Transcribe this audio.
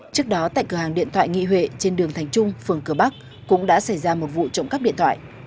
trước đó tại cửa hàng điện thoại nghị huệ trên đường thành trung phường cửa bắc cũng đã xảy ra một vụ trộm cắp điện thoại